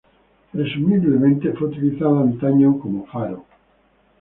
Presumiblemente fue utilizada antaño como faro.